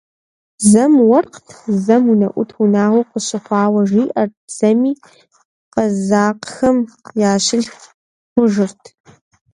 Зэм уэркът, зэм унэӀут унагъуэ къыщыхъуауэ жиӀэрт, зэми къэзакъхэм я щылъху хъужырт.